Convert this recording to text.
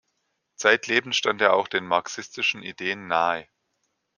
Zeitlebens stand er auch den marxistischen Ideen nahe.